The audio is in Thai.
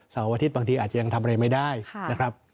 อาทิตย์บางทีอาจจะยังทำอะไรไม่ได้นะครับ